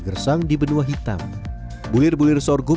gersang di benua hitam bulir bulir sorghum